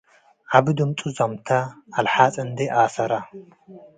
ዐቢ ድምጹ ዘምታ - አልሓጽ እንዶ ኣሰራ